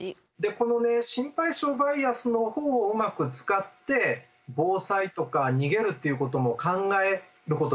この心配性バイアスの方をうまく使って防災とか逃げるっていうことも考えることできるんですね。